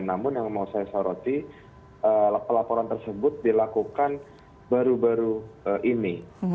namun yang mau saya soroti pelaporan tersebut dilakukan baru baru ini